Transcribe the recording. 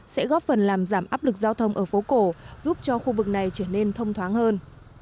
sẽ góp phần làm giảm áp lực giao thông ở phố cổ giúp cho khu vực này trở nên thông thoáng hơn